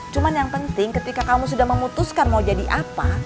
cuma yang penting ketika kamu sudah memutuskan mau jadi apa